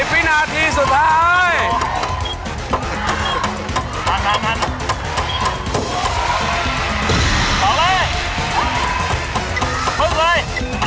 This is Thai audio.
วินาทีสุดท้าย